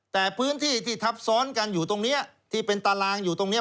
แต่พื้นที่ที่ทับซ้อนกันอยู่ตรงนี้ที่เป็นตารางอยู่ตรงนี้